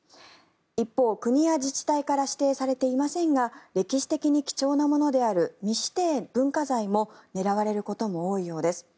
一方、国や自治体から指定されていませんが歴史的に貴重なものである未指定文化財も狙われることも多いようです。